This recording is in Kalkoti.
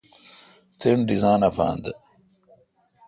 تن ڈیزان اپاتھ